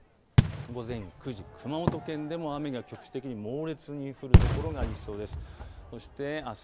午前９時熊本県でも雨が局地的に猛烈に降る所がありそうです。